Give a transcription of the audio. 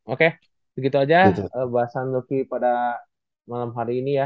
oke segitu aja bahasan lucky pada malam hari ini ya